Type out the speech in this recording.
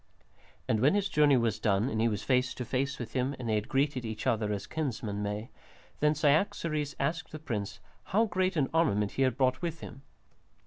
And when his journey was done and he was face to face with him and they had greeted each other as kinsmen may, then Cyaxares asked the prince how great an armament he had brought with him?